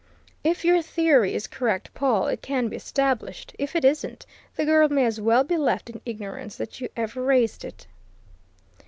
If your theory is correct, Pawle, it can be established, if it isn't, the girl may as well be left in ignorance that you ever raised it."